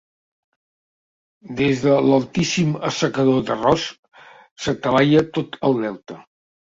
Des de l'altíssim assecador d'arròs s'atalaia tot el delta.